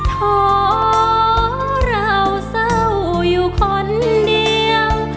ขอเราเศร้าอยู่คนเดียว